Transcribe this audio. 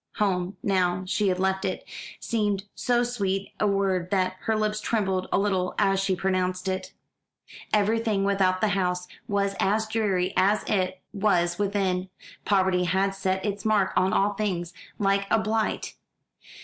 Home, now she had left it, seemed so sweet a word that her lips trembled a little as she pronounced it. Everything without the house was as dreary as it was within. Poverty had set its mark on all things, like a blight.